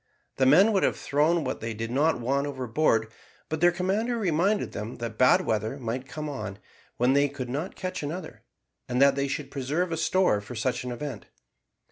The men would have thrown what they did not want overboard, but their commander reminded them that bad weather might come on, when they could not catch another, and that they should preserve a store for such an event.